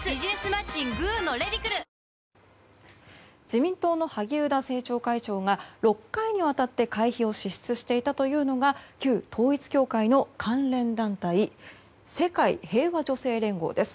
自民党の萩生田政調会長が６回にわたって会費を支出していたというのが旧統一教会の関連団体世界平和女性連合です。